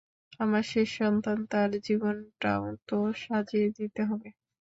আমার শেষ সন্তান, তার জীবনটাও তো সাজিয়ে দিতে হবে।